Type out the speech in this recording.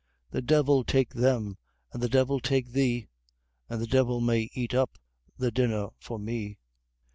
The Devil take them! and the Devil take thee! And the DEVIL MAY EAT UP THE DINNER FOR ME!"